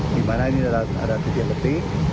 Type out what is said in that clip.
di mana ini ada titik titik